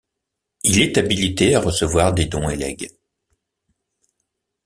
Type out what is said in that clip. Il est habilité à recevoir des dons et legs.